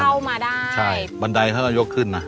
เข้ามาได้ใช่บันไดท่านก็ยกขึ้นน่ะ